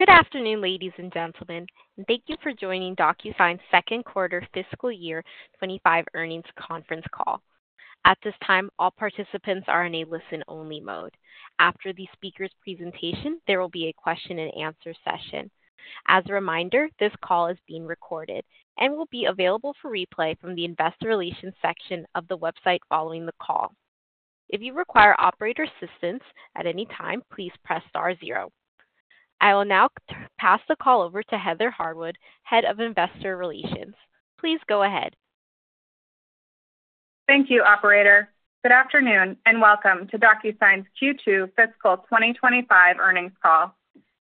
Good afternoon, ladies and gentlemen. Thank you for joining DocuSign's second quarter fiscal year 2025 earnings conference call. At this time, all participants are in a listen-only mode. After the speaker's presentation, there will be a question and answer session. As a reminder, this call is being recorded and will be available for replay from the investor relations section of the website following the call. If you require operator assistance at any time, please press star zero. I will now pass the call over to Heather Harwood, Head of Investor Relations. Please go ahead. Thank you, operator. Good afternoon, and welcome to DocuSign's Q2 fiscal 2025 earnings call.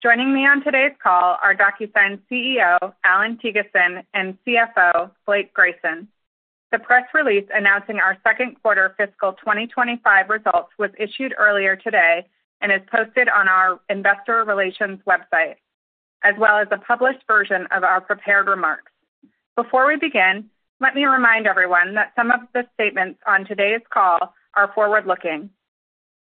Joining me on today's call are DocuSign's CEO, Allan Thygesen, and CFO, Blake Grayson. The press release announcing our second quarter fiscal 2025 results was issued earlier today and is posted on our investor relations website, as well as a published version of our prepared remarks. Before we begin, let me remind everyone that some of the statements on today's call are forward-looking.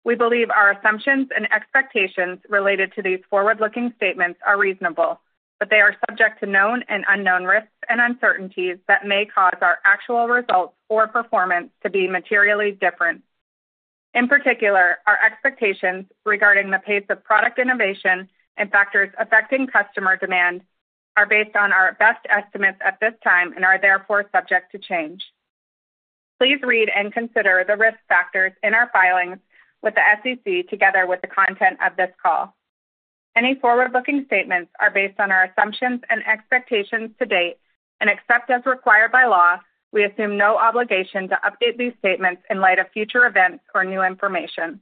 We believe our assumptions and expectations related to these forward-looking statements are reasonable, but they are subject to known and unknown risks and uncertainties that may cause our actual results or performance to be materially different. In particular, our expectations regarding the pace of product innovation and factors affecting customer demand are based on our best estimates at this time and are therefore subject to change. Please read and consider the risk factors in our filings with the SEC, together with the content of this call. Any forward-looking statements are based on our assumptions and expectations to date, and except as required by law, we assume no obligation to update these statements in light of future events or new information.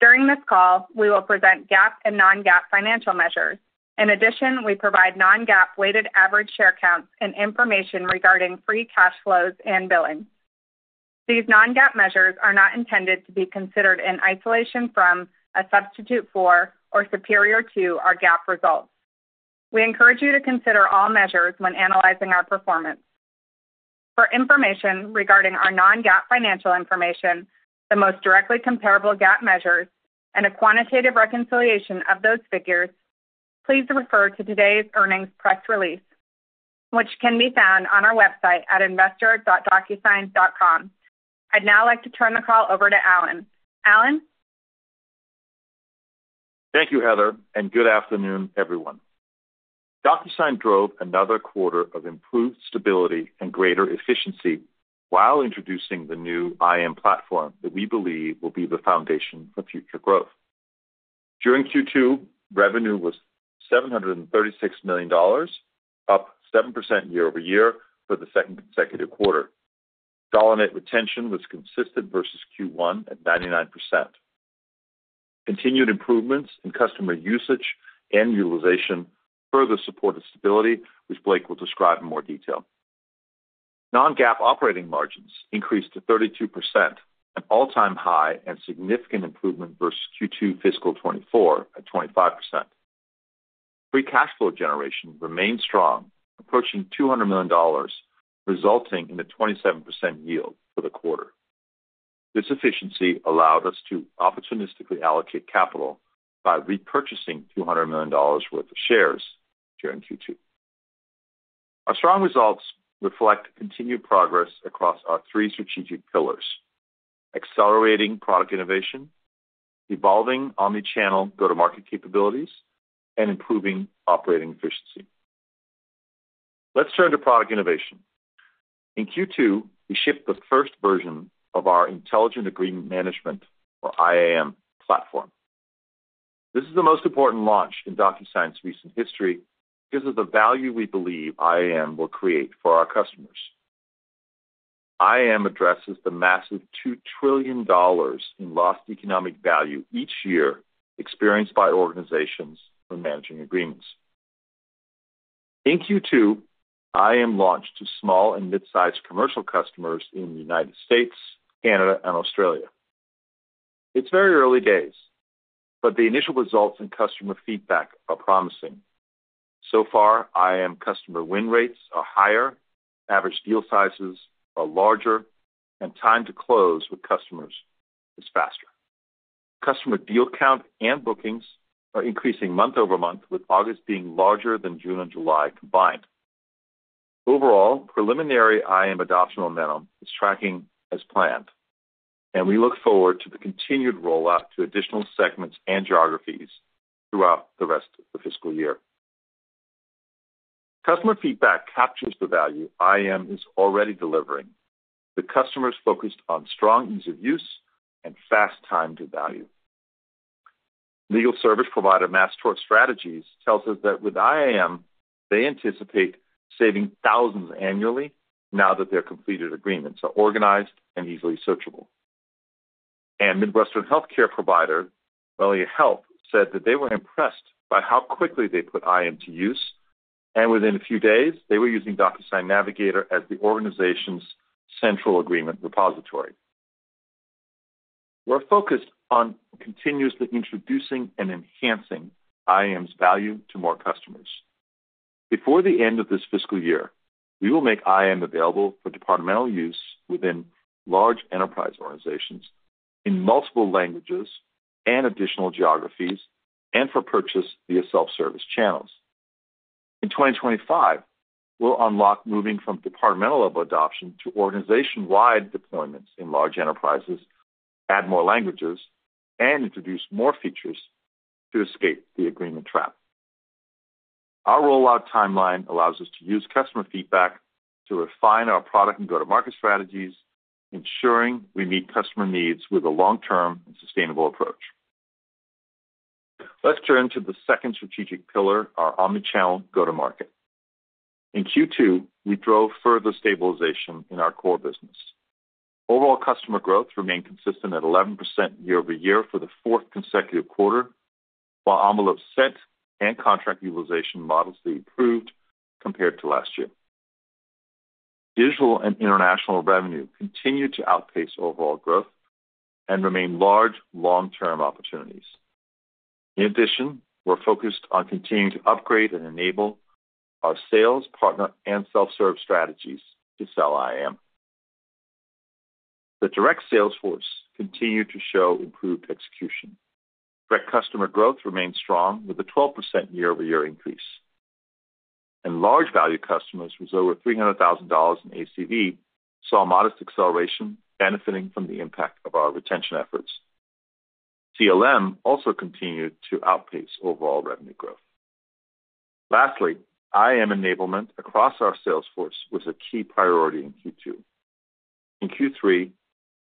During this call, we will present GAAP and non-GAAP financial measures. In addition, we provide non-GAAP weighted average share counts and information regarding free cash flows and billings. These non-GAAP measures are not intended to be considered in isolation from, a substitute for, or superior to our GAAP results. We encourage you to consider all measures when analyzing our performance. For information regarding our non-GAAP financial information, the most directly comparable GAAP measures, and a quantitative reconciliation of those figures, please refer to today's earnings press release, which can be found on our website at investor dot DocuSign dot com. I'd now like to turn the call over to Allan. Allan? Thank you, Heather, and good afternoon, everyone. DocuSign drove another quarter of improved stability and greater efficiency while introducing the new IAM platform that we believe will be the foundation for future growth. During Q2, revenue was $736 million, up 7% year-over-year for the second consecutive quarter. Dollar net retention was consistent versus Q1 at 99%. Continued improvements in customer usage and utilization further supported stability, which Blake will describe in more detail. Non-GAAP operating margins increased to 32%, an all-time high and significant improvement versus Q2 fiscal 2024 at 25%. Free cash flow generation remained strong, approaching $200 million, resulting in a 27% yield for the quarter. This efficiency allowed us to opportunistically allocate capital by repurchasing $200 million worth of shares during Q2. Our strong results reflect continued progress across our three strategic pillars: accelerating product innovation, evolving omni-channel go-to-market capabilities, and improving operating efficiency. Let's turn to product innovation. In Q2, we shipped the first version of our intelligent agreement management, or IAM, platform. This is the most important launch in DocuSign's recent history because of the value we believe IAM will create for our customers. IAM addresses the massive $2 trillion in lost economic value each year experienced by organizations when managing agreements. In Q2, IAM launched to small and mid-sized commercial customers in the United States, Canada, and Australia. It's very early days, but the initial results and customer feedback are promising. So far, IAM customer win rates are higher, average deal sizes are larger, and time to close with customers is faster. Customer deal count and bookings are increasing month-over-month, with August being larger than June and July combined. Overall, preliminary IAM adoption momentum is tracking as planned, and we look forward to the continued rollout to additional segments and geographies throughout the rest of the fiscal year. Customer feedback captures the value IAM is already delivering. The customer is focused on strong ease of use and fast time to value. Legal service provider, Morae, tells us that with IAM, they anticipate saving thousands annually now that their completed agreements are organized and easily searchable, and Midwestern healthcare pro`vider, WellSpan Health, said that they were impressed by how quickly they put IAM to use, and within a few days, they were using DocuSign Navigator as the organization's central agreement repository. We're focused on continuously introducing and enhancing IAM's value to more customers. Before the end of this fiscal year, we will make IAM available for departmental use within large enterprise organizations in multiple languages and additional geographies, and for purchase via self-service channels. In 2025, we'll unlock moving from departmental-level adoption to organization-wide deployments in large enterprises, add more languages, and introduce more features to escape the agreement trap. Our rollout timeline allows us to use customer feedback to refine our product and go-to-market strategies, ensuring we meet customer needs with a long-term and sustainable approach. Let's turn to the second strategic pillar, our omni-channel go-to-market. In Q2, we drove further stabilization in our core business. Overall customer growth remained consistent at 11% year-over-year for the fourth consecutive quarter, while envelope sent and contract utilization models improved compared to last year. Digital and international revenue continued to outpace overall growth and remain large, long-term opportunities. In addition, we're focused on continuing to upgrade and enable our sales partner and self-serve strategies to sell IAM. The direct sales force continued to show improved execution. Direct customer growth remained strong with a 12% year-over-year increase, and large value customers with over $300,000 in ACV saw a modest acceleration benefiting from the impact of our retention efforts. CLM also continued to outpace overall revenue growth. Lastly, IAM enablement across our sales force was a key priority in Q2. In Q3,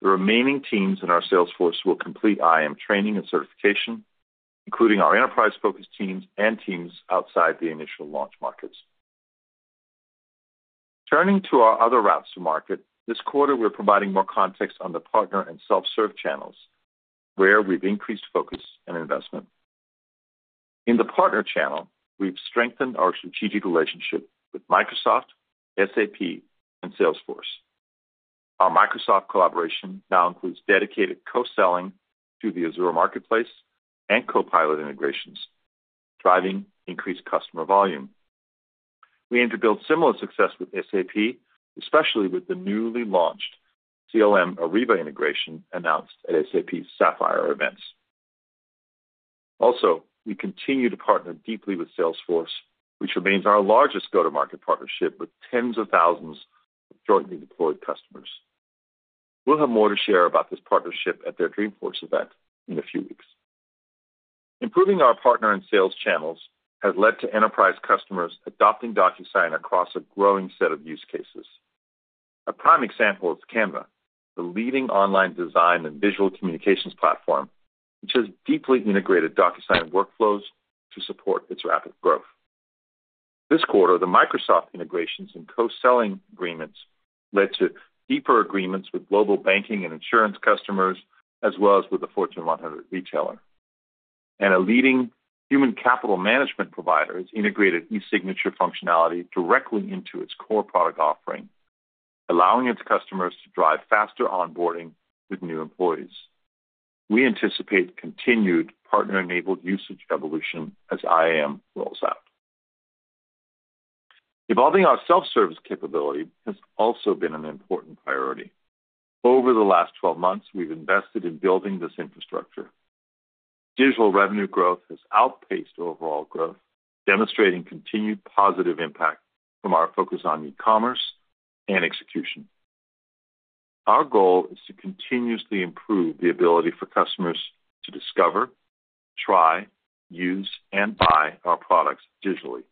the remaining teams in our sales force will complete IAM training and certification, including our enterprise-focused teams and teams outside the initial launch markets. Turning to our other routes to market, this quarter, we're providing more context on the partner and self-serve channels, where we've increased focus and investment. In the partner channel, we've strengthened our strategic relationship with Microsoft, SAP, and Salesforce. Our Microsoft collaboration now includes dedicated co-selling to the Azure marketplace and Copilot integrations, driving increased customer volume. We aim to build similar success with SAP, especially with the newly launched CLM Ariba integration announced at SAP's Sapphire events. Also, we continue to partner deeply with Salesforce, which remains our largest go-to-market partnership with tens of thousands of jointly deployed customers. We'll have more to share about this partnership at their Dreamforce event in a few weeks. Improving our partner and sales channels has led to enterprise customers adopting DocuSign across a growing set of use cases. A prime example is Canva, the leading online design and visual communications platform, which has deeply integrated DocuSign workflows to support its rapid growth. This quarter, the Microsoft integrations and co-selling agreements led to deeper agreements with global banking and insurance customers, as well as with the Fortune 100 retailer. A leading human capital management provider has integrated e-signature functionality directly into its core product offering, allowing its customers to drive faster onboarding with new employees. We anticipate continued partner-enabled usage evolution as IAM rolls out. Evolving our self-service capability has also been an important priority. Over the last twelve months, we've invested in building this infrastructure. Digital revenue growth has outpaced overall growth, demonstrating continued positive impact from our focus on e-commerce and execution. Our goal is to continuously improve the ability for customers to discover, try, use, and buy our products digitally,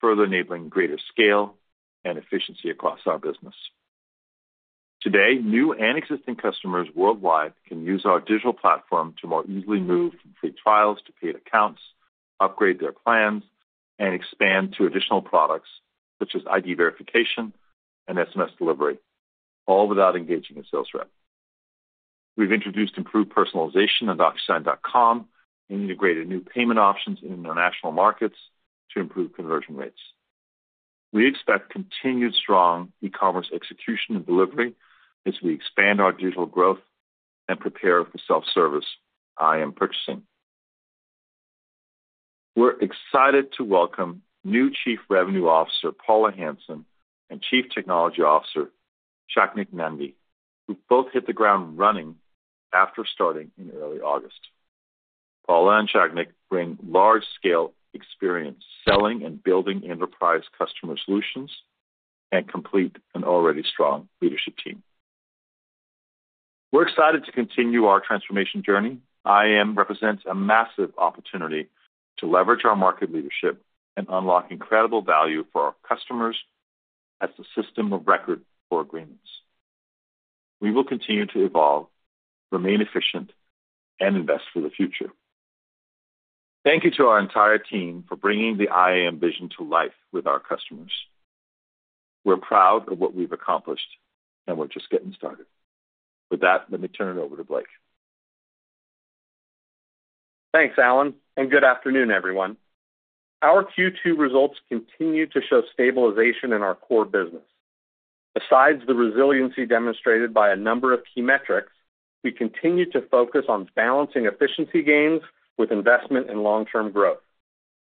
further enabling greater scale and efficiency across our business. Today, new and existing customers worldwide can use our digital platform to more easily move from free trials to paid accounts, upgrade their plans, and expand to additional products such as ID verification and SMS delivery, all without engaging a sales rep. We've introduced improved personalization on DocuSign.com and integrated new payment options in international markets to improve conversion rates. We expect continued strong e-commerce execution and delivery as we expand our digital growth and prepare for self-service IAM purchasing. We're excited to welcome new Chief Revenue Officer, Paula Hansen, and Chief Technology Officer, Sagnik Nandy, who both hit the ground running after starting in early August. Paula and Sagnik bring large-scale experience selling and building enterprise customer solutions and complete an already strong leadership team. We're excited to continue our transformation journey. IAM represents a massive opportunity to leverage our market leadership and unlock incredible value for our customers as the system of record for agreements. We will continue to evolve, remain efficient, and invest for the future. Thank you to our entire team for bringing the IAM vision to life with our customers. We're proud of what we've accomplished, and we're just getting started. With that, let me turn it over to Blake. Thanks, Allan, and good afternoon, everyone. Our Q2 results continue to show stabilization in our core business. Besides the resiliency demonstrated by a number of key metrics, we continue to focus on balancing efficiency gains with investment in long-term growth.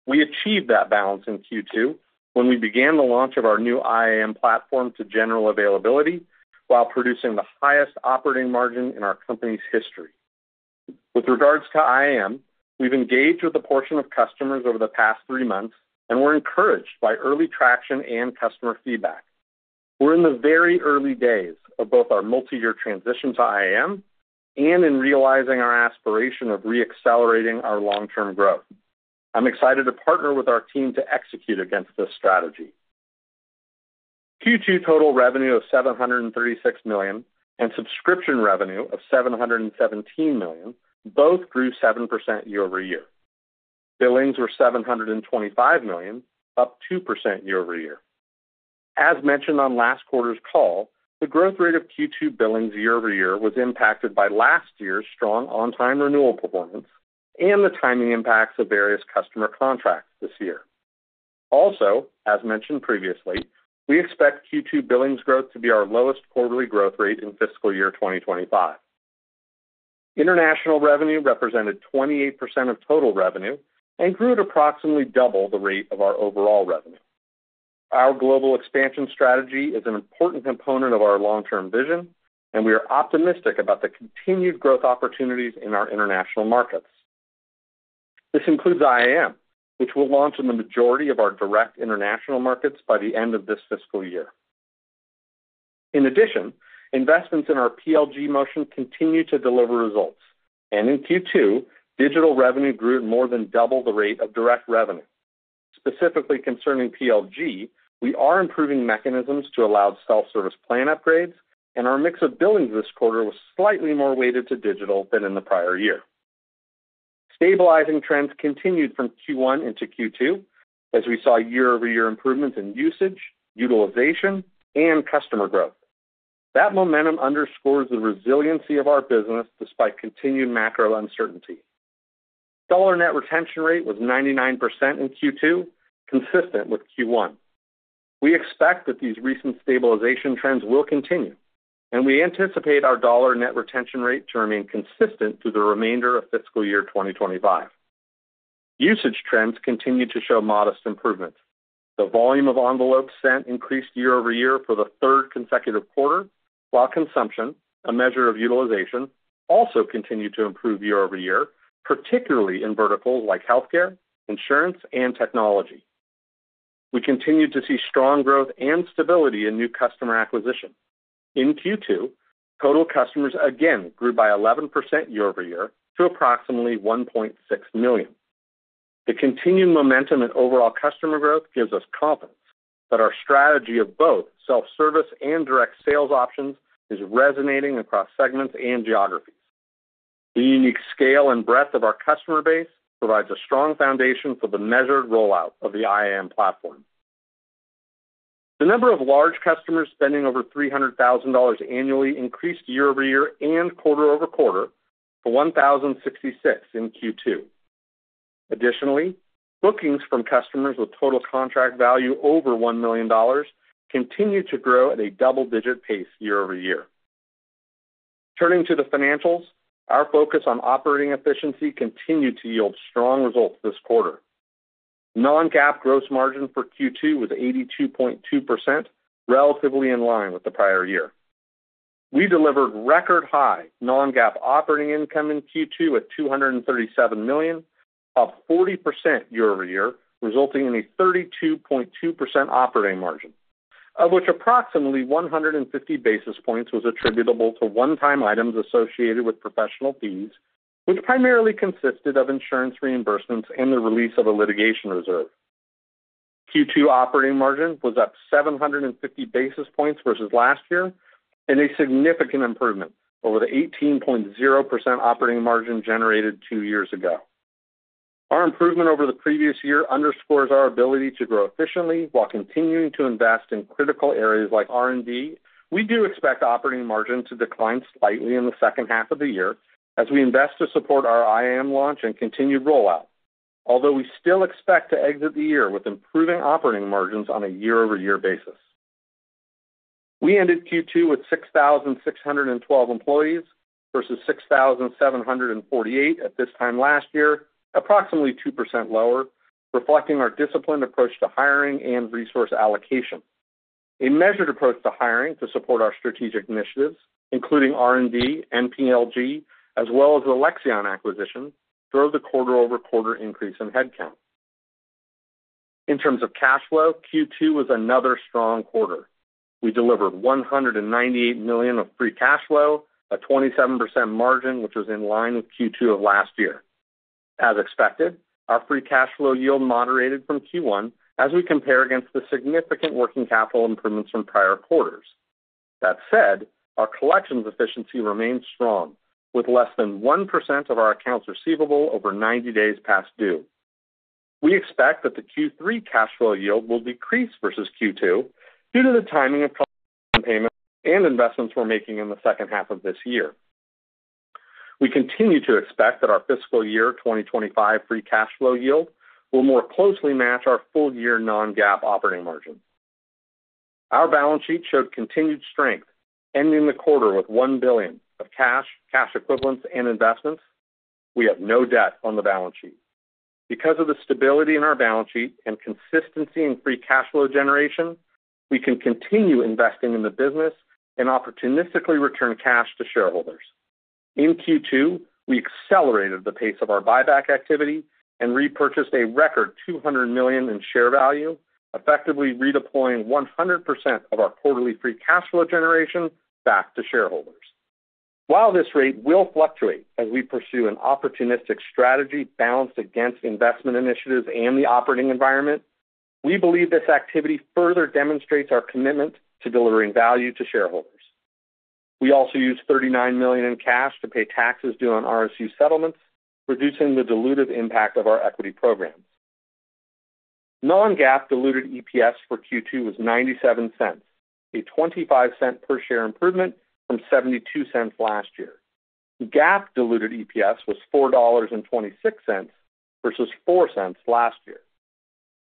We achieved that balance in Q2 when we began the launch of our new IAM platform to general availability, while producing the highest operating margin in our company's history. With regards to IAM, we've engaged with a portion of customers over the past three months, and we're encouraged by early traction and customer feedback. We're in the very early days of both our multi-year transition to IAM and in realizing our aspiration of re-accelerating our long-term growth. I'm excited to partner with our team to execute against this strategy. Q2 total revenue of $736 million, and subscription revenue of $717 million, both grew 7% year-over-year. Billings were $725 million, up 2% year-over-year. As mentioned on last quarter's call, the growth rate of Q2 billings year-over-year was impacted by last year's strong on-time renewal performance and the timing impacts of various customer contracts this year. Also, as mentioned previously, we expect Q2 billings growth to be our lowest quarterly growth rate in fiscal year 2025. International revenue represented 28% of total revenue and grew at approximately double the rate of our overall revenue. Our global expansion strategy is an important component of our long-term vision, and we are optimistic about the continued growth opportunities in our international markets. This includes IAM, which will launch in the majority of our direct international markets by the end of this fiscal year. In addition, investments in our PLG motion continue to deliver results, and in Q2, digital revenue grew more than double the rate of direct revenue. Specifically concerning PLG, we are improving mechanisms to allow self-service plan upgrades, and our mix of billings this quarter was slightly more weighted to digital than in the prior year. Stabilizing trends continued from Q1 into Q2, as we saw year-over-year improvements in usage, utilization, and customer growth. That momentum underscores the resiliency of our business despite continued macro uncertainty. Dollar net retention rate was 99% in Q2, consistent with Q1. We expect that these recent stabilization trends will continue, and we anticipate our dollar net retention rate to remain consistent through the remainder of fiscal year 2025. Usage trends continue to show modest improvements. The volume of envelopes sent increased year-over-year for the third consecutive quarter, while consumption, a measure of utilization, also continued to improve year-over-year, particularly in verticals like healthcare, insurance, and technology. We continued to see strong growth and stability in new customer acquisition. In Q2, total customers again grew by 11% year-over-year to approximately 1.6 million. The continued momentum in overall customer growth gives us confidence that our strategy of both self-service and direct sales options is resonating across segments and geographies. The unique scale and breadth of our customer base provides a strong foundation for the measured rollout of the IAM platform. The number of large customers spending over $300,000 annually increased year-over-year and quarter-over-quarter to 1,066 in Q2. Additionally, bookings from customers with total contract value over $1 million continued to grow at a double-digit pace year-over-year. Turning to the financials, our focus on operating efficiency continued to yield strong results this quarter. Non-GAAP gross margin for Q2 was 82.2%, relatively in line with the prior year. We delivered record high non-GAAP operating income in Q2 at $237 million, up 40% year-over-year, resulting in a 32.2% operating margin, of which approximately 150 basis points was attributable to one-time items associated with professional fees, which primarily consisted of insurance reimbursements and the release of a litigation reserve. Q2 operating margin was up 750 basis points versus last year, and a significant improvement over the 18.0% operating margin generated two years ago. Our improvement over the previous year underscores our ability to grow efficiently while continuing to invest in critical areas like R&D. We do expect operating margin to decline slightly in the second half of the year as we invest to support our IAM launch and continued rollout, although we still expect to exit the year with improving operating margins on a year-over-year basis. We ended Q2 with 6,612 employees versus 6,748 at this time last year, approximately 2% lower, reflecting our disciplined approach to hiring and resource allocation. A measured approach to hiring to support our strategic initiatives, including R&D and PLG, as well as the Lexion acquisition, drove the quarter-over-quarter increase in headcount. In terms of cash flow, Q2 was another strong quarter. We delivered $198 million of free cash flow, a 27% margin, which was in line with Q2 of last year. As expected, our free cash flow yield moderated from Q1 as we compare against the significant working capital improvements from prior quarters. That said, our collections efficiency remains strong, with less than 1% of our accounts receivable over 90 days past due. We expect that the Q3 cash flow yield will decrease versus Q2 due to the timing of payments and investments we're making in the second half of this year. We continue to expect that our fiscal year 2025 free cash flow yield will more closely match our full year non-GAAP operating margin. Our balance sheet showed continued strength, ending the quarter with $1 billion of cash, cash equivalents, and investments. We have no debt on the balance sheet. Because of the stability in our balance sheet and consistency in free cash flow generation, we can continue investing in the business and opportunistically return cash to shareholders. In Q2, we accelerated the pace of our buyback activity and repurchased a record $200 million in share value, effectively redeploying 100% of our quarterly free cash flow generation back to shareholders. While this rate will fluctuate as we pursue an opportunistic strategy balanced against investment initiatives and the operating environment, we believe this activity further demonstrates our commitment to delivering value to shareholders. We also used $39 million in cash to pay taxes due on RSU settlements, reducing the dilutive impact of our equity programs. Non-GAAP diluted EPS for Q2 was $0.97, a $0.25 per share improvement from $0.72 last year. GAAP diluted EPS was $4.26 versus $0.04 last year.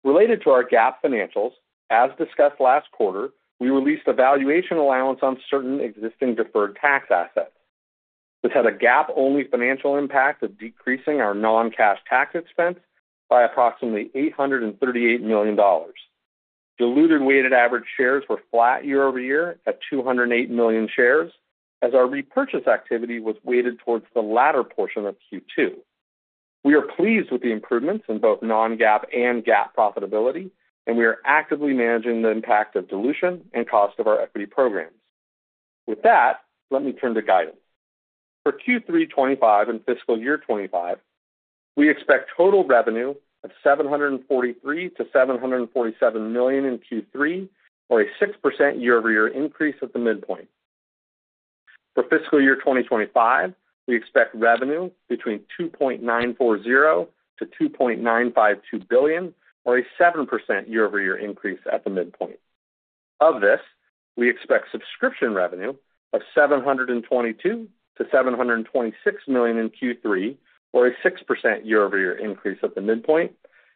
Related to our GAAP financials, as discussed last quarter, we released a valuation allowance on certain existing deferred tax assets. This had a GAAP-only financial impact of decreasing our non-cash tax expense by approximately $838 million. Diluted weighted average shares were flat year-over-year at 208 million shares, as our repurchase activity was weighted towards the latter portion of Q2. We are pleased with the improvements in both non-GAAP and GAAP profitability, and we are actively managing the impact of dilution and cost of our equity programs. With that, let me turn to guidance. For Q3 2025 and fiscal year 2025, we expect total revenue of $743 million-$747 million in Q3, or a 6% year-over-year increase at the midpoint. For fiscal year 2025, we expect revenue between $2.940-$2.952 billion, or a 7% year-over-year increase at the midpoint. Of this, we expect subscription revenue of $722-$726 million in Q3, or a 6% year-over-year increase at the midpoint,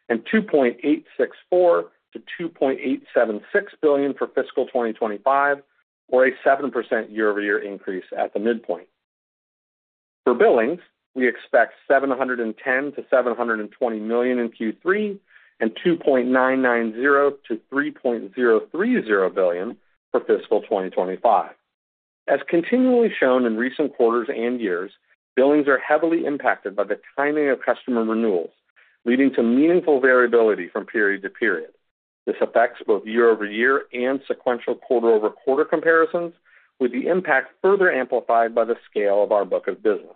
and $2.864-$2.876 billion for fiscal 2025, or a 7% year-over-year increase at the midpoint. For billings, we expect $710-$720 million in Q3 and $2.990-$3.030 billion for fiscal 2025. As continually shown in recent quarters and years, billings are heavily impacted by the timing of customer renewals, leading to meaningful variability from period to period. This affects both year-over-year and sequential quarter-over-quarter comparisons, with the impact further amplified by the scale of our book of business.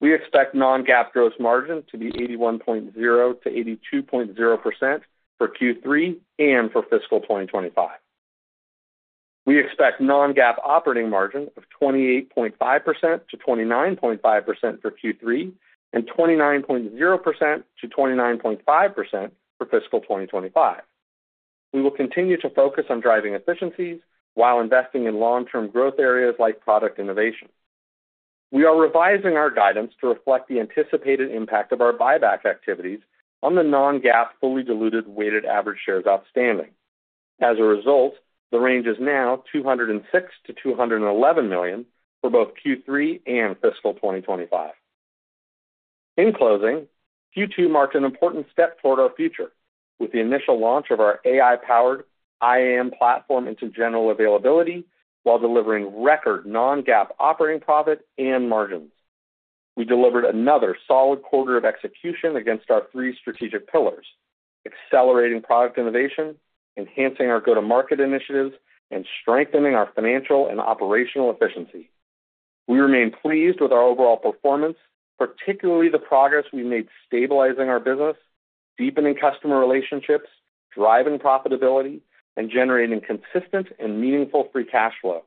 We expect non-GAAP gross margin to be 81.0%-82.0% for Q3 and for fiscal 2025. We expect non-GAAP operating margin of 28.5%-29.5% for Q3 and 29.0%-29.5% for fiscal 2025. We will continue to focus on driving efficiencies while investing in long-term growth areas like product innovation. We are revising our guidance to reflect the anticipated impact of our buyback activities on the non-GAAP fully diluted weighted average shares outstanding. As a result, the range is now 206 million-211 million for both Q3 and fiscal 2025. In closing, Q2 marked an important step toward our future, with the initial launch of our AI-powered IAM platform into general availability, while delivering record non-GAAP operating profit and margins. We delivered another solid quarter of execution against our three strategic pillars, accelerating product innovation, enhancing our go-to-market initiatives, and strengthening our financial and operational efficiency. We remain pleased with our overall performance, particularly the progress we've made stabilizing our business, deepening customer relationships, driving profitability, and generating consistent and meaningful free cash flow.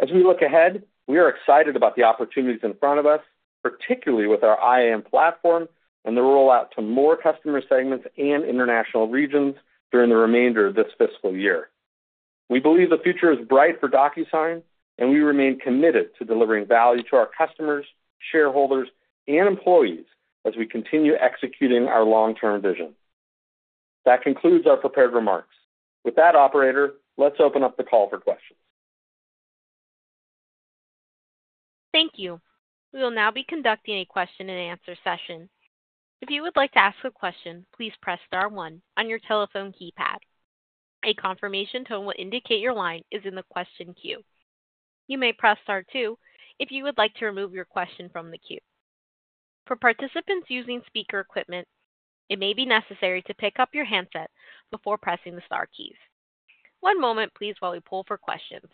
As we look ahead, we are excited about the opportunities in front of us, particularly with our IAM platform and the rollout to more customer segments and international regions during the remainder of this fiscal year. We believe the future is bright for DocuSign, and we remain committed to delivering value to our customers, shareholders, and employees as we continue executing our long-term vision. That concludes our prepared remarks. With that, operator, let's open up the call for questions. Thank you. We will now be conducting a question-and-answer session. If you would like to ask a question, please press star one on your telephone keypad. A confirmation tone will indicate your line is in the question queue. You may press star two if you would like to remove your question from the queue. For participants using speaker equipment, it may be necessary to pick up your handset before pressing the star keys. One moment, please, while we poll for questions.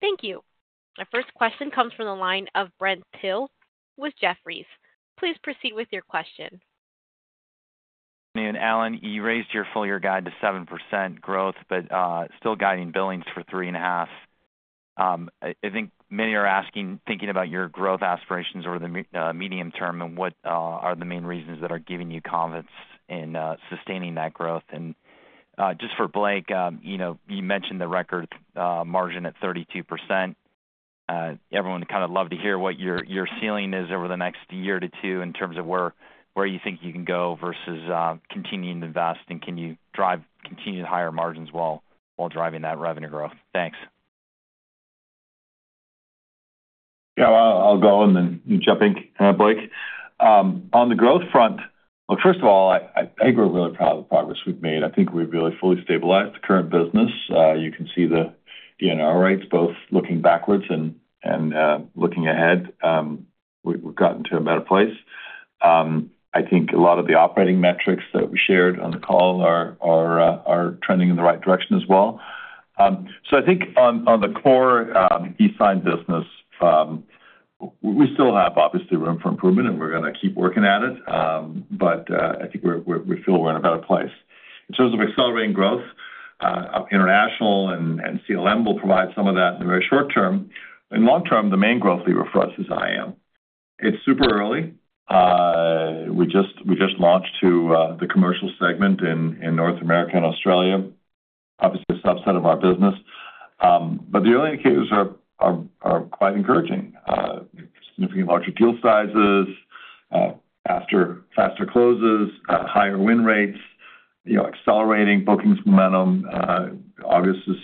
Thank you. Our first question comes from the line of Brent Thill with Jefferies. Please proceed with your question. And Allan, you raised your full year guide to 7% growth, but still guiding billings for 3.5%. I think many are asking, thinking about your growth aspirations over the medium term, and what are the main reasons that are giving you confidence in sustaining that growth? And just for Blake, you know, you mentioned the record margin at 32%. Everyone would kind of love to hear what your ceiling is over the next year to two in terms of where you think you can go versus continuing to invest, and can you drive continued higher margins while driving that revenue growth? Thanks. Yeah, I'll go, and then you jump in, Blake. On the growth front, well, first of all, I think we're really proud of the progress we've made. I think we've really fully stabilized the current business. You can see the DNR rates, both looking backwards and looking ahead. We've gotten to a better place. I think a lot of the operating metrics that we shared on the call are trending in the right direction as well. So I think on the core eSign business, we still have, obviously, room for improvement, and we're gonna keep working at it. But I think we feel we're in a better place. In terms of accelerating growth, international and CLM will provide some of that in the very short term. In the long term, the main growth lever for us is IAM. It's super early. We just launched to the commercial segment in North America and Australia, obviously a subset of our business. But the early indicators are quite encouraging. Significantly larger deal sizes, faster closes, higher win rates, you know, accelerating bookings momentum. August is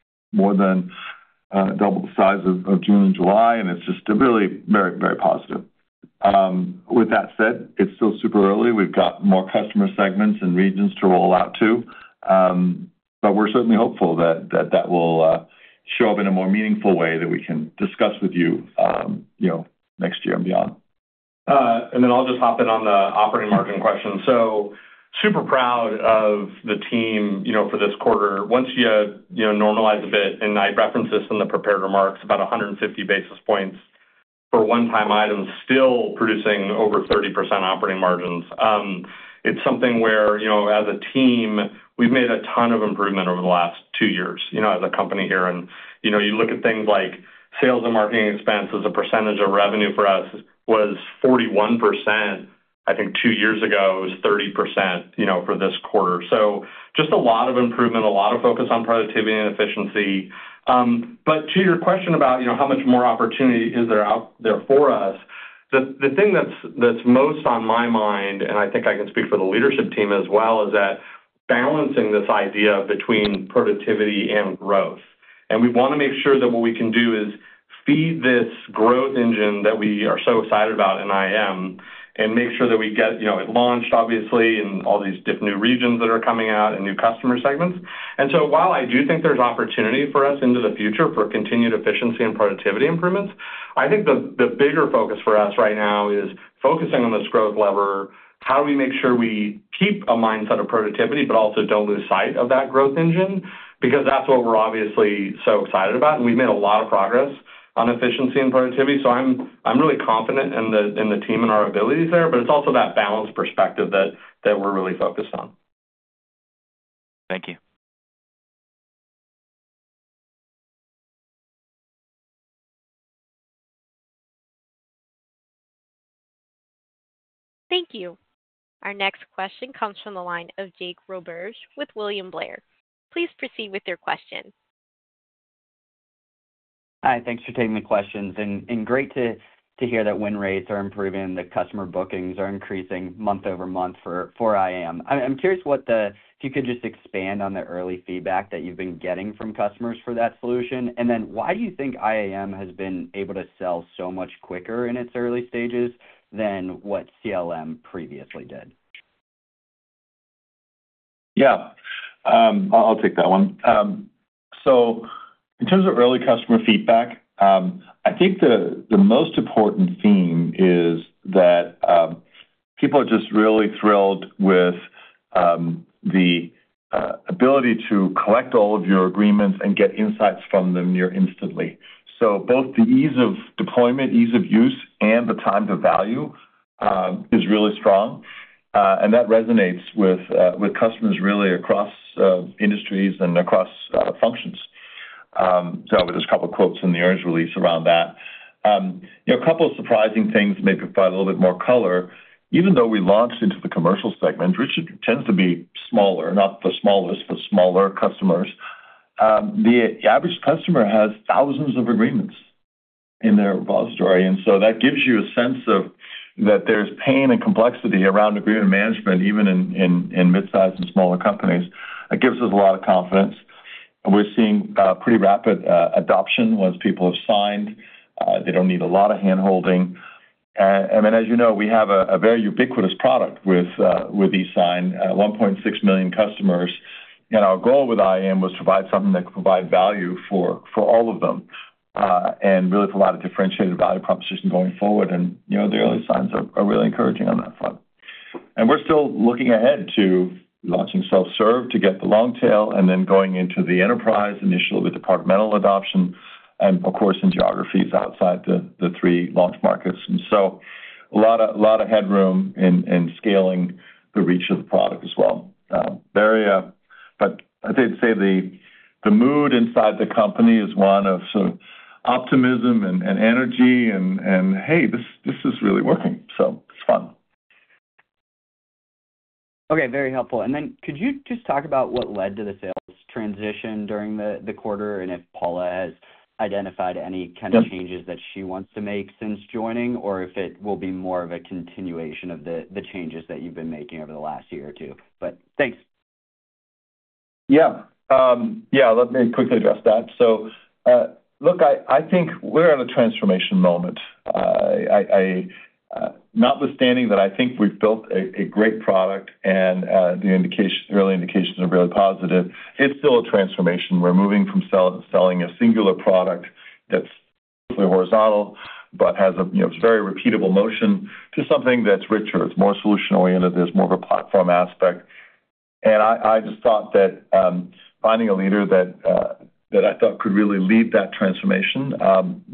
more than double the size of June and July, and it's just really very positive. With that said, it's still super early. We've got more customer segments and regions to roll out to. But we're certainly hopeful that that will show up in a more meaningful way that we can discuss with you, you know, next year and beyond. And then I'll just hop in on the operating margin question. So super proud of the team, you know, for this quarter. Once you, you know, normalize a bit, and I referenced this in the prepared remarks, about a hundred and fifty basis points for one-time items, still producing over 30% operating margins. It's something where, you know, as a team, we've made a ton of improvement over the last two years, you know, as a company here. And, you know, you look at things like sales and marketing expense as a percentage of revenue for us was 41%. I think two years ago, it was 30%, you know, for this quarter. So just a lot of improvement, a lot of focus on productivity and efficiency. But to your question about, you know, how much more opportunity is there out there for us? The thing that's most on my mind, and I think I can speak for the leadership team as well, is balancing this idea between productivity and growth, and we want to make sure that what we can do is feed this growth engine that we are so excited about in IAM and make sure that we get you know it launched, obviously, in all these new regions that are coming out and new customer segments, and so while I do think there's opportunity for us into the future for continued efficiency and productivity improvements, I think the bigger focus for us right now is focusing on this growth lever, how do we make sure we keep a mindset of productivity, but also don't lose sight of that growth engine? Because that's what we're obviously so excited about, and we've made a lot of progress on efficiency and productivity. So I'm really confident in the team and our abilities there, but it's also that balanced perspective that we're really focused on. Thank you. Thank you. Our next question comes from the line of Jake Roberge with William Blair. Please proceed with your question. Hi, thanks for taking the questions. And great to hear that win rates are improving, the customer bookings are increasing month-over-month for IAM. I'm curious what the. If you could just expand on the early feedback that you've been getting from customers for that solution, and then why do you think IAM has been able to sell so much quicker in its early stages than what CLM previously did? Yeah, I'll take that one. So in terms of early customer feedback, I think the most important theme is that people are just really thrilled with the ability to collect all of your agreements and get insights from them near instantly. So both the ease of deployment, ease of use, and the time to value is really strong, and that resonates with customers really across industries and across functions. So there's a couple of quotes in the earnings release around that. You know, a couple of surprising things, maybe provide a little bit more color. Even though we launched into the commercial segment, which it tends to be smaller, not the smallest, but smaller customers, the average customer has thousands of agreements in their repository, and so that gives you a sense of that there's pain and complexity around agreement management, even in midsize and smaller companies. It gives us a lot of confidence. We're seeing pretty rapid adoption. Once people have signed, they don't need a lot of handholding. And as you know, we have a very ubiquitous product with eSign, 1.6 million customers. And our goal with IAM was to provide something that could provide value for all of them and really put a lot of differentiated value proposition going forward. And you know, the early signs are really encouraging on that front. We're still looking ahead to launching self-serve to get the long tail and then going into the enterprise, initially with departmental adoption and, of course, in geographies outside the three launch markets. A lot of headroom in scaling the reach of the product as well. I'd say the mood inside the company is one of sort of optimism and energy, and hey, this is really working, so it's fun. Okay, very helpful. And then could you just talk about what led to the sales transition during the quarter, and if Paula has identified any kind of changes- Yep that she wants to make since joining, or if it will be more of a continuation of the, the changes that you've been making over the last year or two? But thanks. Yeah. Yeah, let me quickly address that. So, look, I think we're at a transformation moment. Notwithstanding that, I think we've built a great product, and the early indications are really positive. It's still a transformation. We're moving from selling a singular product that's horizontal, but has a, you know, very repeatable motion to something that's richer. It's more solution-oriented. There's more of a platform aspect. And I just thought that finding a leader that I thought could really lead that transformation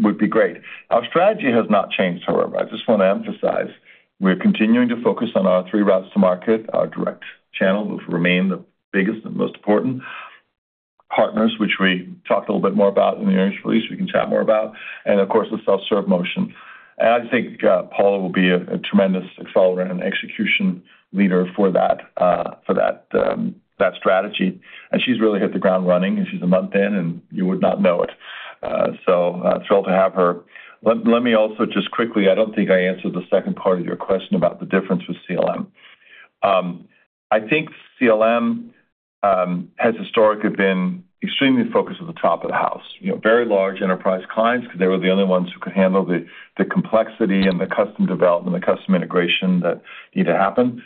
would be great. Our strategy has not changed, however. I just wanna emphasize, we're continuing to focus on our three routes to market. Our direct channel, which will remain the biggest and most important. Partners, which we talked a little bit more about in the earnings release, we can chat more about, and of course, the self-serve motion. And I think Paula will be a tremendous accelerant and execution leader for that strategy. And she's really hit the ground running, and she's a month in, and you would not know it. So thrilled to have her. Let me also just quickly. I don't think I answered the second part of your question about the difference with CLM. I think CLM has historically been extremely focused on the top of the house, you know, very large enterprise clients, because they were the only ones who could handle the complexity and the custom development, the custom integration that needed to happen. You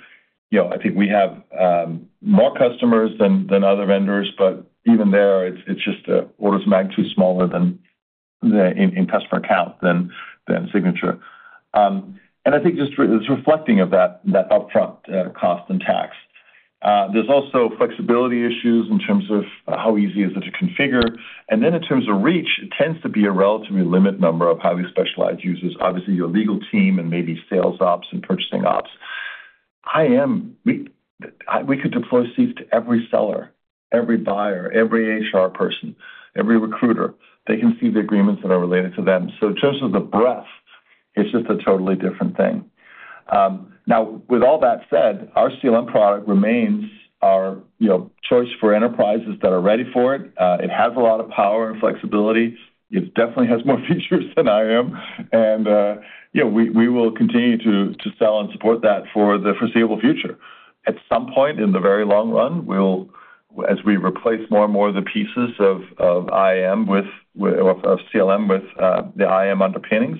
know, I think we have more customers than other vendors, but even there, it's just orders of magnitude smaller than the customer count than eSignature. And I think it's just reflective of that upfront cost and TCO. There's also flexibility issues in terms of how easy is it to configure. And then in terms of reach, it tends to be a relatively limited number of highly specialized users. Obviously, your legal team and maybe sales ops and purchasing ops. IAM, we could deploy it to every seller, every buyer, every HR person, every recruiter. They can see the agreements that are related to them. So in terms of the breadth, it's just a totally different thing. Now, with all that said, our CLM product remains our, you know, choice for enterprises that are ready for it. It has a lot of power and flexibility. It definitely has more features than IAM. And, you know, we will continue to sell and support that for the foreseeable future. At some point in the very long run, we'll as we replace more and more of the pieces of CLM with the IAM underpinnings,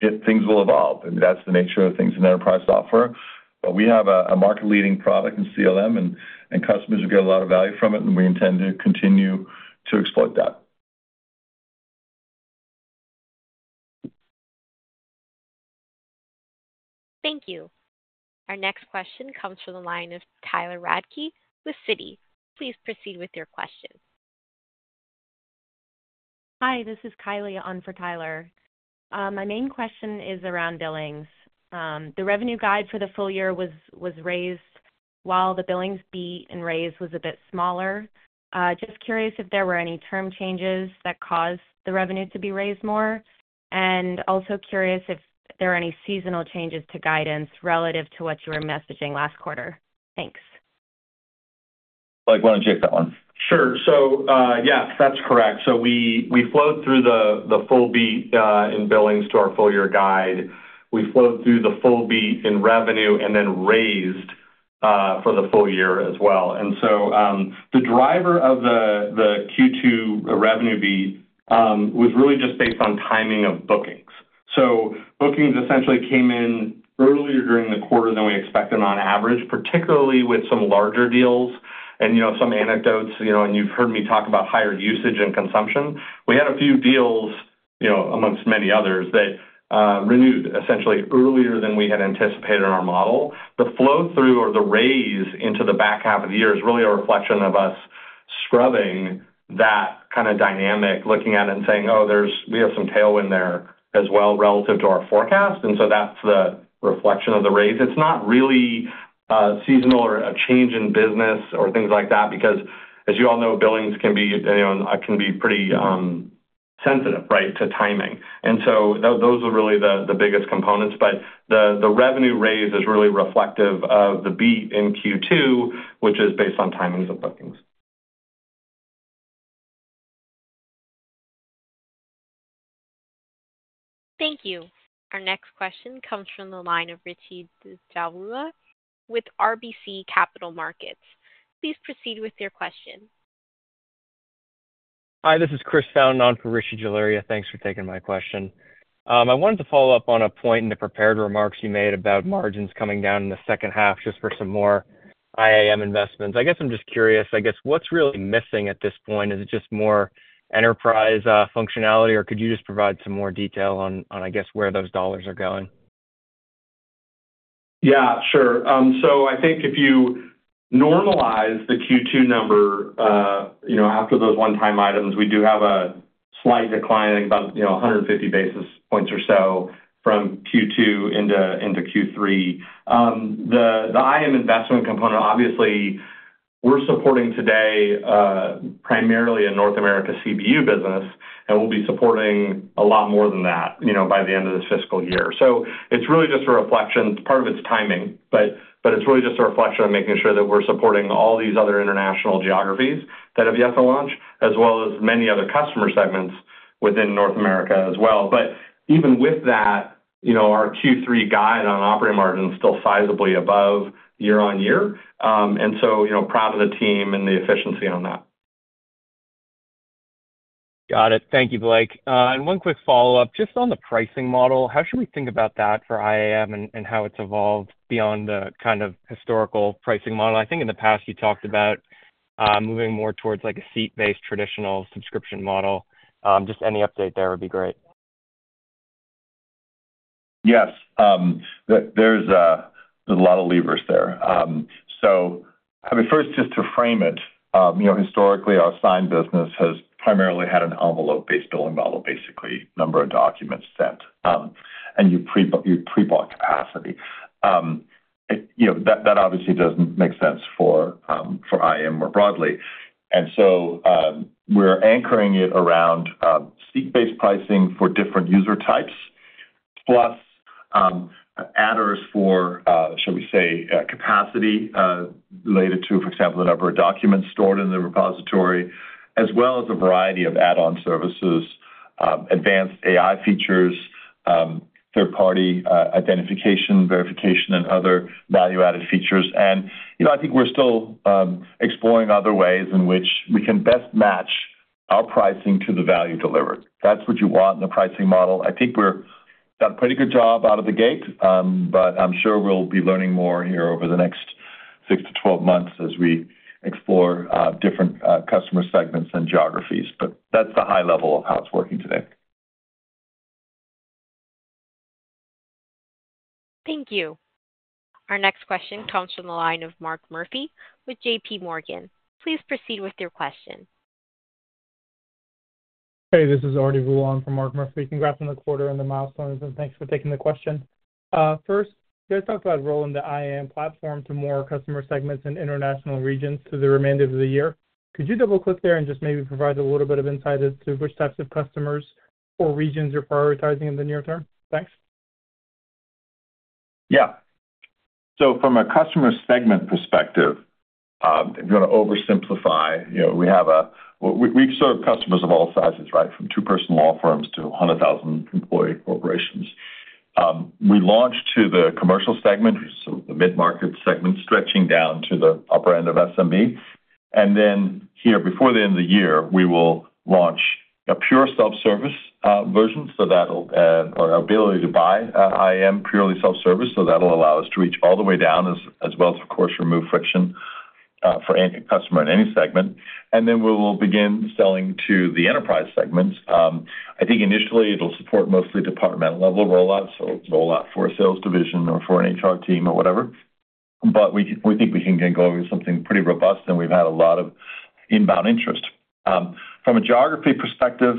things will evolve, and that's the nature of things in enterprise software. But we have a market-leading product in CLM, and customers will get a lot of value from it, and we intend to continue to exploit that. Thank you. Our next question comes from the line of Tyler Radke with Citi. Please proceed with your question. Hi, this is Kylie on for Tyler. My main question is around billings. The revenue guide for the full year was raised, while the billings beat and raise was a bit smaller. Just curious if there were any term changes that caused the revenue to be raised more. And also curious if there are any seasonal changes to guidance relative to what you were messaging last quarter. Thanks. Blake, why don't you take that one? Sure, so yes, that's correct, so we flowed through the full beat in billings to our full year guide. We flowed through the full beat in revenue and then raised for the full year as well, and so the driver of the Q2 revenue beat was really just based on timing of bookings, so bookings essentially came in earlier during the quarter than we expected on average, particularly with some larger deals and, you know, some anecdotes, you know, and you've heard me talk about higher usage and consumption. We had a few deals, you know, amongst many others, that renewed essentially earlier than we had anticipated in our model. The flow-through or the raise into the back half of the year is really a reflection of us scrubbing that kind of dynamic, looking at it and saying, "Oh, there's we have some tailwind there as well relative to our forecast." And so that's the reflection of the raise. It's not really seasonal or a change in business or things like that, because as you all know, billings can be, you know, can be pretty sensitive, right, to timing. And so those are really the biggest components. But the revenue raise is really reflective of the beat in Q2, which is based on timings of bookings. Thank you. Our next question comes from the line of Rishi Jaluria with RBC Capital Markets. Please proceed with your question. Hi, this is Chris, standing in for Rishi Jaluria. Thanks for taking my question. I wanted to follow up on a point in the prepared remarks you made about margins coming down in the second half, just for some more IAM investments. I guess I'm just curious, I guess, what's really missing at this point? Is it just more enterprise functionality, or could you just provide some more detail on, I guess, where those dollars are going? Yeah, sure. So I think if you normalize the Q2 number, you know, after those one-time items, we do have a slight decline, about, you know, a hundred and fifty basis points or so from Q2 into Q3. The IAM investment component, obviously, we're supporting today, primarily a North America CBU business, and we'll be supporting a lot more than that, you know, by the end of this fiscal year. So it's really just a reflection. Part of it's timing, but it's really just a reflection of making sure that we're supporting all these other international geographies that have yet to launch, as well as many other customer segments within North America as well. But even with that, you know, our Q3 guide on operating margin is still sizably above year-on-year. And so, you know, proud of the team and the efficiency on that. Got it. Thank you, Blake. And one quick follow-up. Just on the pricing model, how should we think about that for IAM and how it's evolved beyond the kind of historical pricing model? I think in the past, you talked about moving more towards, like, a seat-based traditional subscription model. Just any update there would be great. Yes. There's a lot of levers there. So I mean, first, just to frame it, you know, historically, our sign business has primarily had an envelope-based billing model, basically, number of documents sent, and you pre-bought capacity. You know, that, that obviously doesn't make sense for IAM more broadly. And so, we're anchoring it around seat-based pricing for different user types, plus adders for, shall we say, capacity related to, for example, the number of documents stored in the repository, as well as a variety of add-on services, advanced AI features, third-party identification, verification, and other value-added features. And, you know, I think we're still exploring other ways in which we can best match our pricing to the value delivered. That's what you want in a pricing model. I think we've done a pretty good job out of the gate, but I'm sure we'll be learning more here over the next six to 12 months as we explore different customer segments and geographies. But that's the high level of how it's working today. Thank you. Our next question comes from the line of Mark Murphy with JP Morgan. Please proceed with your question. Hey, this is Arti Vula for Mark Murphy. Congrats on the quarter and the milestones, and thanks for taking the question. First, you guys talked about rolling the IAM platform to more customer segments in international regions through the remainder of the year. Could you double-click there and just maybe provide a little bit of insight as to which types of customers or regions you're prioritizing in the near term? Thanks. Yeah. So from a customer segment perspective, if you want to oversimplify, you know, we've served customers of all sizes, right? From two-person law firms to hundred thousand-employee corporations. We launched to the commercial segment, so the mid-market segment, stretching down to the upper end of SMB. And then here, before the end of the year, we will launch a pure self-service version, so that'll or ability to buy IAM purely self-service, so that'll allow us to reach all the way down as well as, of course, remove friction for any customer in any segment. And then we will begin selling to the enterprise segments. I think initially it'll support mostly departmental-level rollouts, so roll out for a sales division or for an HR team or whatever. But we think we can get going with something pretty robust, and we've had a lot of inbound interest. From a geography perspective,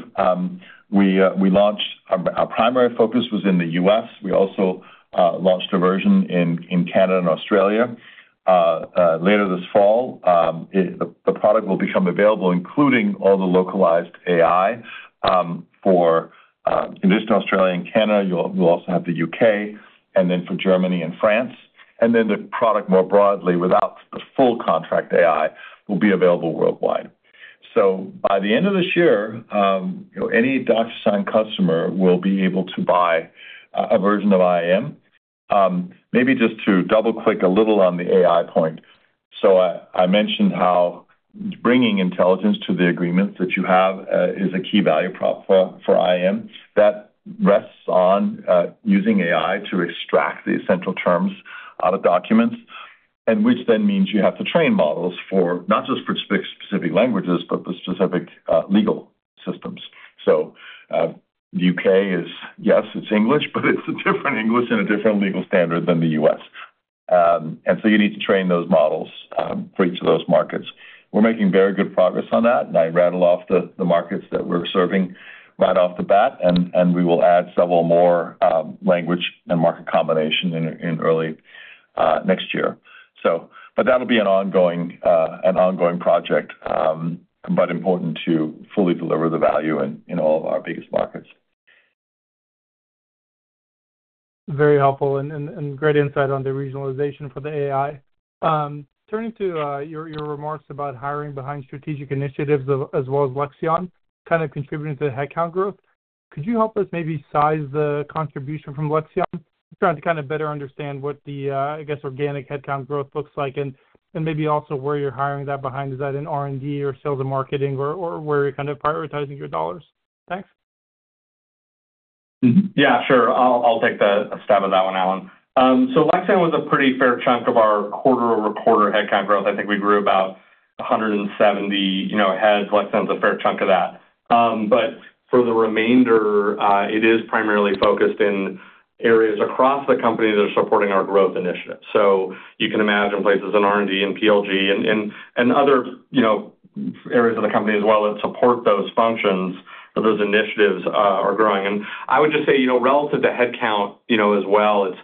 we launched. Our primary focus was in the U.S. We also launched a version in Canada and Australia. Later this fall, the product will become available, including all the localized AI, for in addition to Australia and Canada, you'll also have the U.K., and then for Germany and France, and then the product more broadly, without the full contract AI, will be available worldwide. So by the end of this year, you know, any DocuSign customer will be able to buy a version of IAM. Maybe just to double-click a little on the AI point. I mentioned how bringing intelligence to the agreements that you have is a key value prop for IAM. That rests on using AI to extract the essential terms out of documents, which then means you have to train models not just for specific languages, but for specific legal systems. The U.K. is, yes, it's English, but it's a different English and a different legal standard than the U.S. You need to train those models for each of those markets. We're making very good progress on that, and I rattled off the markets that we're serving right off the bat, and we will add several more language and market combination in early next year. So, but that'll be an ongoing project, but important to fully deliver the value in all of our biggest markets. Very helpful and great insight on the regionalization for the AI. Turning to your remarks about hiring behind strategic initiatives as well as Lexion kind of contributing to the headcount growth, could you help us maybe size the contribution from Lexion? I'm trying to kind of better understand what the I guess organic headcount growth looks like and maybe also where you're hiring that behind. Is that in R&D or sales and marketing or where you're kind of prioritizing your dollars? Thanks. Yeah, sure. I'll take the stab at that one, Allan. So Lexion was a pretty fair chunk of our quarter-over-quarter headcount growth. I think we grew about 170, you know, heads. Lexion's a fair chunk of that. But for the remainder, it is primarily focused in areas across the company that are supporting our growth initiatives. So you can imagine places in R&D and PLG and other, you know, areas of the company as well that support those functions, those initiatives are growing. I would just say, you know, relative to headcount, you know, as well, it's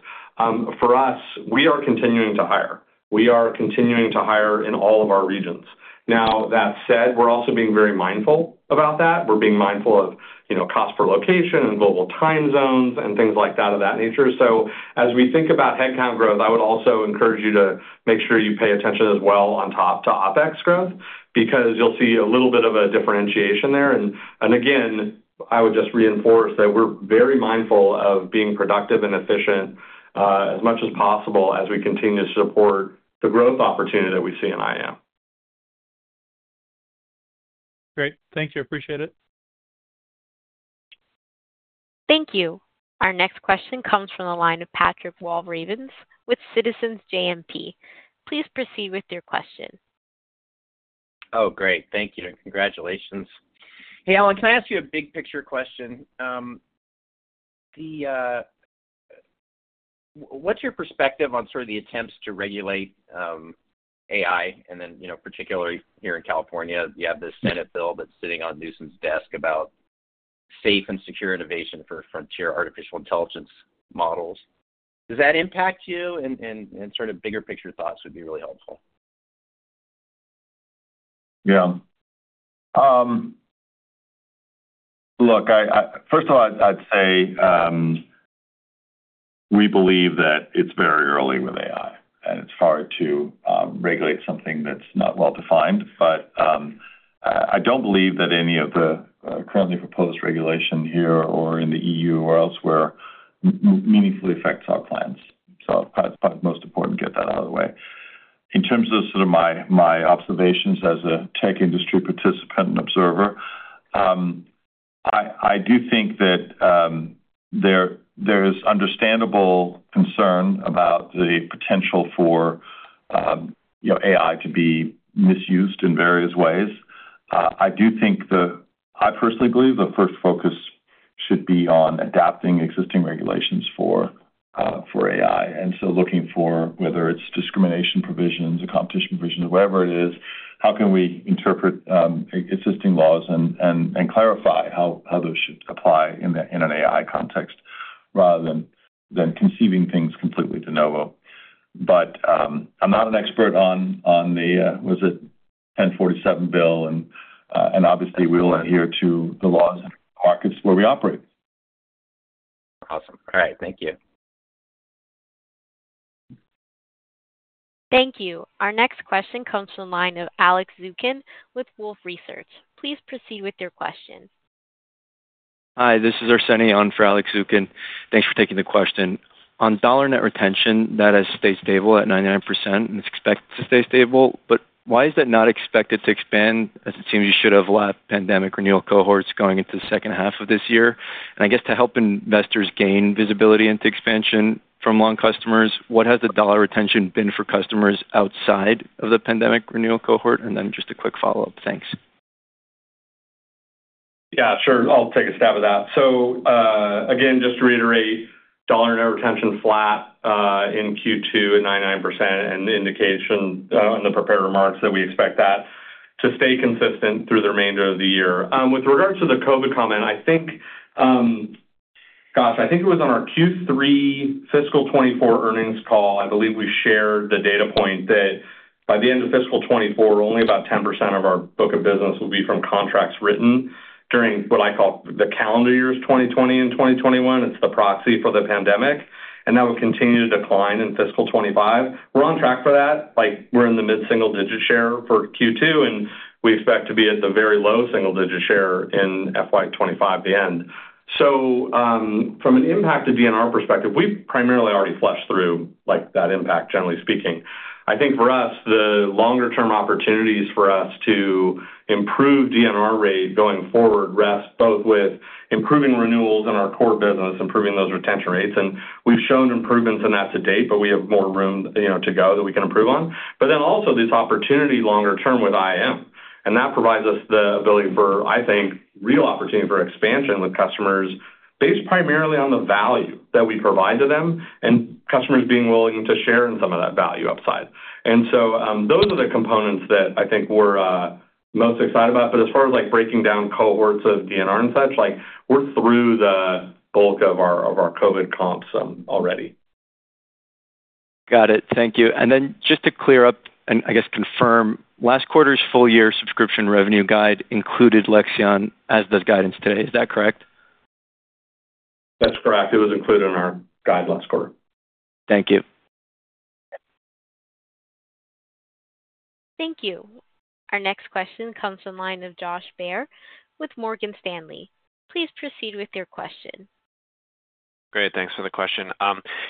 for us, we are continuing to hire. We are continuing to hire in all of our regions. Now, that said, we're also being very mindful about that. We're being mindful of, you know, cost per location and global time zones and things like that of that nature. So as we think about headcount growth, I would also encourage you to make sure you pay attention as well on top to OpEx growth, because you'll see a little bit of a differentiation there. And again, I would just reinforce that we're very mindful of being productive and efficient as much as possible as we continue to support the growth opportunity that we see in IAM. Great. Thank you. Appreciate it. Thank you. Our next question comes from the line of Patrick Walravens with Citizens JMP. Please proceed with your question. Oh, great. Thank you. Congratulations. Hey, Allan, can I ask you a big picture question? What's your perspective on sort of the attempts to regulate AI, and then, you know, particularly here in California, you have this Senate bill that's sitting on Newsom's desk about safe and secure innovation for frontier artificial intelligence models. Does that impact you? And sort of bigger picture thoughts would be really helpful. Yeah. Look, first of all, I'd say we believe that it's very early with AI, and it's hard to regulate something that's not well defined. But I don't believe that any of the currently proposed regulation here or in the EU or elsewhere meaningfully affects our plans. So I thought it's most important to get that out of the way. In terms of sort of my observations as a tech industry participant and observer, I do think that there's understandable concern about the potential for, you know, AI to be misused in various ways. I do think the. I personally believe the first focus should be on adapting existing regulations for AI, and so looking for whether it's discrimination provisions or competition provisions, whatever it is, how can we interpret existing laws and clarify how those should apply in an AI context, rather than conceiving things completely de novo. But, I'm not an expert on the 1047 bill and obviously, we will adhere to the laws in markets where we operate. Awesome. All right, thank you. Thank you. Our next question comes from the line of Alex Zukin with Wolfe Research. Please proceed with your question. Hi, this is Arseny on for Alex Zukin. Thanks for taking the question. On dollar net retention, that has stayed stable at 99%, and it's expected to stay stable, but why is that not expected to expand, as it seems you should have a lot of pandemic renewal cohorts going into the second half of this year? And I guess to help investors gain visibility into expansion from long customers, what has the dollar retention been for customers outside of the pandemic renewal cohort? And then just a quick follow-up. Thanks. Yeah, sure. I'll take a stab at that, so again, just to reiterate, dollar net retention flat in Q2 at 99%, and the indication on the prepared remarks that we expect that to stay consistent through the remainder of the year. With regards to the COVID comment, I think, gosh, I think it was on our Q3 fiscal 2024 earnings call. I believe we shared the data point that by the end of fiscal 2024, only about 10% of our book of business will be from contracts written during what I call the calendar years 2020 and 2021. It's the proxy for the pandemic, and that will continue to decline in fiscal 2025. We're on track for that, like, we're in the mid-single-digit share for Q2, and we expect to be at the very low single-digit share in FY 2025, the end. From an impact to DNR perspective, we've primarily already flushed through, like, that impact, generally speaking. I think for us, the longer-term opportunities for us to improve DNR rate going forward rests both with improving renewals in our core business, improving those retention rates, and we've shown improvements in that to date, but we have more room, you know, to go that we can improve on. Then also this opportunity longer term with IAM, and that provides us the ability for, I think, real opportunity for expansion with customers based primarily on the value that we provide to them and customers being willing to share in some of that value upside. Those are the components that I think we're most excited about. But as far as, like, breaking down cohorts of DNR and such, like, we're through the bulk of our COVID comps, already. Got it. Thank you. And then just to clear up and I guess confirm, last quarter's full year subscription revenue guide included Lexion as does guidance today. Is that correct? That's correct. It was included in our guide last quarter. Thank you. Thank you. Our next question comes from line of Josh Baer with Morgan Stanley. Please proceed with your question. Great, thanks for the question.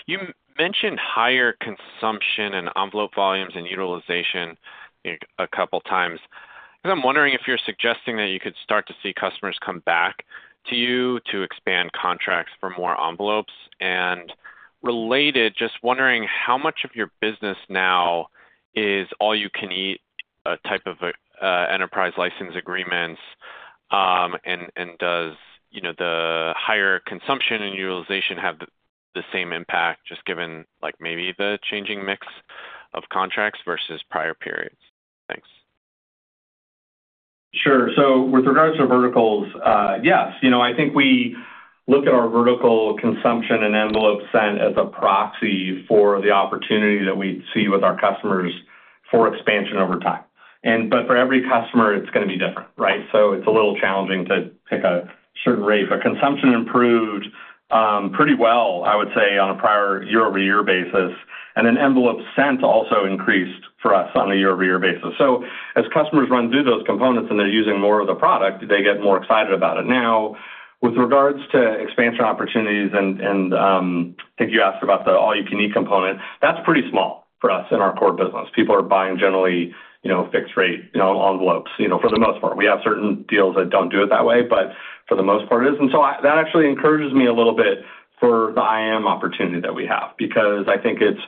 You mentioned higher consumption and envelope volumes and utilization a couple times. I'm wondering if you're suggesting that you could start to see customers come back to you to expand contracts for more envelopes, and related, just wondering how much of your business now is all you can eat type of enterprise license agreements? And does, you know, the higher consumption and utilization have the same impact, just given, like, maybe the changing mix of contracts versus prior periods? Thanks. Sure. So with regards to verticals, yes. You know, I think we look at our vertical consumption and envelope sent as a proxy for the opportunity that we see with our customers for expansion over time. And but for every customer, it's gonna be different, right? So it's a little challenging to pick a certain rate, but consumption improved pretty well, I would say, on a prior year-over-year basis, and an envelope sent also increased for us on a year-over-year basis. So as customers run through those components and they're using more of the product, they get more excited about it. Now, with regards to expansion opportunities, I think you asked about the all-you-can-eat component, that's pretty small for us in our core business. People are buying generally, you know, fixed rate, you know, envelopes, you know, for the most part. We have certain deals that don't do it that way, but for the most part, it is. And so that actually encourages me a little bit for the IAM opportunity that we have, because I think it's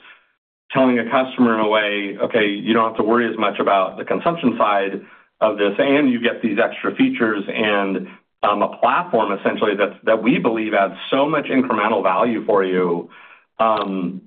telling a customer in a way, "Okay, you don't have to worry as much about the consumption side of this, and you get these extra features and, a platform essentially, that we believe adds so much incremental value for you." It's.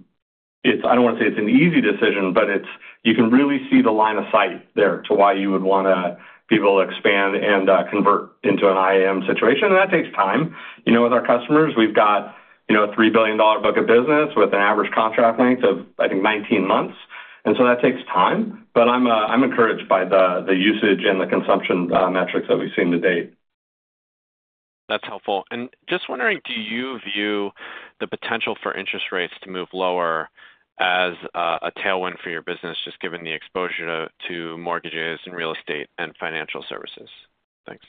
I don't wanna say it's an easy decision, but it's. You can really see the line of sight there to why you would wanna be able to expand and, convert into an IAM situation, and that takes time. You know, with our customers, we've got, you know, a $3 billion book of business with an average contract length of, I think, 19 months, and so that takes time. But I'm encouraged by the usage and the consumption metrics that we've seen to date. That's helpful. And just wondering, do you view the potential for interest rates to move lower as a tailwind for your business, just given the exposure to mortgages and real estate and financial services? Thanks.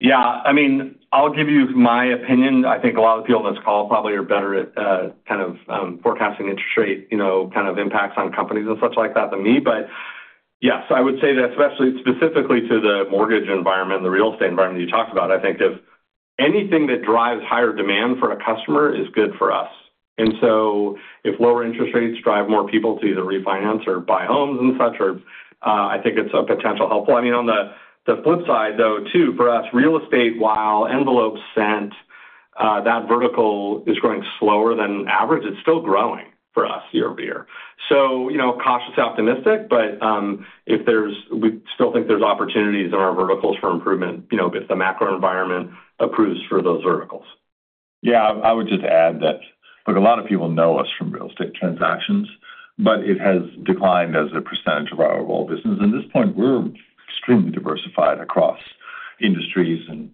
Yeah, I mean, I'll give you my opinion. I think a lot of people on this call probably are better at, kind of, forecasting interest rate, you know, kind of impacts on companies and such like that than me. But yes, I would say that, especially specifically to the mortgage environment and the real estate environment you talked about, I think if anything that drives higher demand for a customer is good for us. And so if lower interest rates drive more people to either refinance or buy homes and such, or, I think it's a potential helpful. I mean, on the flip side, though, too, for us, real estate, while envelopes sent, that vertical is growing slower than average, it's still growing for us year-over-year. So, you know, cautiously optimistic, but we still think there's opportunities in our verticals for improvement, you know, if the macro environment improves for those verticals. Yeah, I would just add that, look, a lot of people know us from real estate transactions, but it has declined as a percentage of our overall business. At this point, we're extremely diversified across industries, and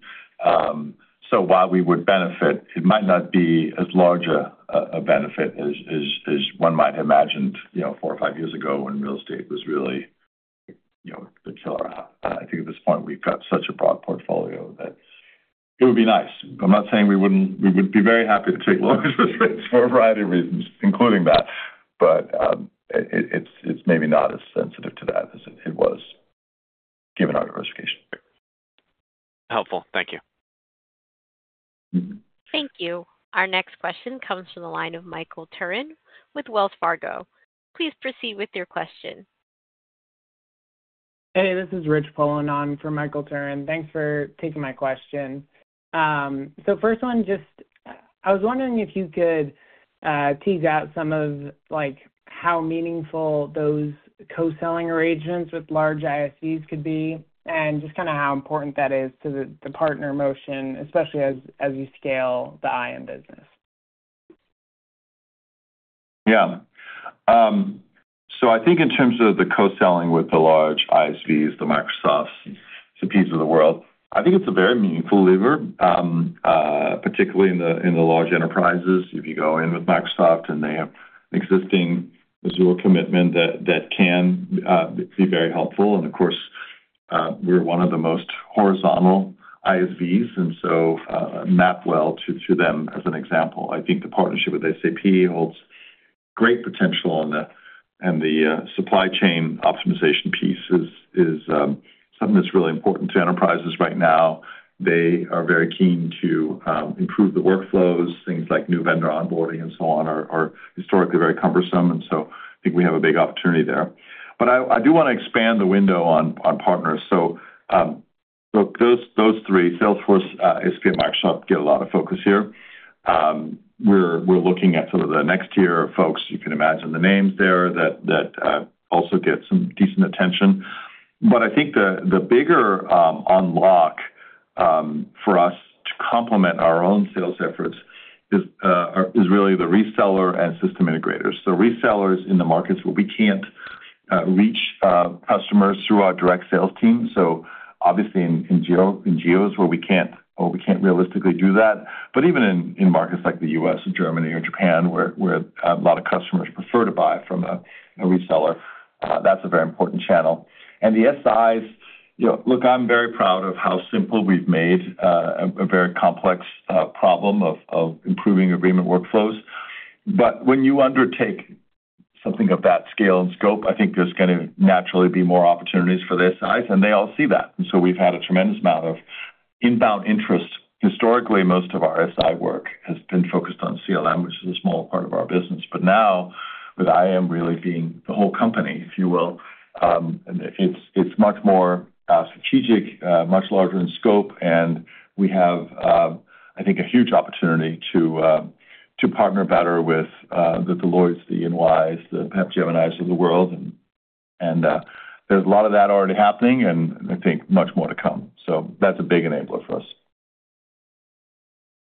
so while we would benefit, it might not be as large a benefit as one might have imagined, you know, four or five years ago, when real estate was really, you know, the killer app. I think at this point, we've got such a broad portfolio that it would be nice. I'm not saying we wouldn't. We would be very happy to take lower interest rates for a variety of reasons, including that, but it's maybe not as sensitive to that as it was given our diversification. Helpful. Thank you. Thank you. Our next question comes from the line of Michael Turrin with Wells Fargo. Please proceed with your question. Hey, this is Rich Poland on for Michael Turrin. Thanks for taking my question. So first one, just, I was wondering if you could tease out some of like, how meaningful those co-selling arrangements with large ISVs could be, and just kinda how important that is to the partner motion, especially as you scale the IAM business. Yeah. So I think in terms of the co-selling with the large ISVs, the Microsofts, the Ps of the world, I think it's a very meaningful lever, particularly in the large enterprises. If you go in with Microsoft and they have existing Azure commitment, that can be very helpful. And of course, we're one of the most horizontal ISVs, and so map well to them, as an example. I think the partnership with SAP holds great potential on the and the supply chain optimization piece is something that's really important to enterprises right now. They are very keen to improve the workflows. Things like new vendor onboarding and so on are historically very cumbersome, and so I think we have a big opportunity there. But I do wanna expand the window on partners. So those three, Salesforce, SAP, and Microsoft, get a lot of focus here. We're looking at some of the next tier of folks. You can imagine the names there that also get some decent attention. But I think the bigger unlock for us to complement our own sales efforts is really the reseller and system integrators. So resellers in the markets where we can't reach customers through our direct sales team, so obviously in geos where we can't or we can't realistically do that. But even in markets like the US or Germany or Japan, where a lot of customers prefer to buy from a reseller, that's a very important channel. And the SIs, you know, look, I'm very proud of how simple we've made a very complex problem of improving agreement workflows. But when you undertake something of that scale and scope, I think there's gonna naturally be more opportunities for their size, and they all see that. And so we've had a tremendous amount of inbound interest. Historically, most of our SI work has been focused on CLM, which is a small part of our business, but now with IAM really being the whole company, if you will, it's much more strategic, much larger in scope, and we have, I think, a huge opportunity to partner better with the Deloittes, the EYs, the Capgeminis of the world. And there's a lot of that already happening, and I think much more to come. That's a big enabler for us.